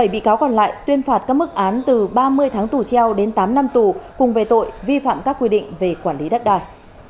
bảy bị cáo còn lại tuyên phạt các mức án từ ba mươi tháng tù treo đến tám năm tù cùng về tội vi phạm các quy định về quản lý đất đài